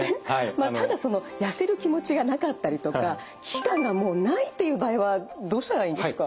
ただその痩せる気持ちがなかったりとか危機感がもうないっていう場合はどうしたらいいんですか？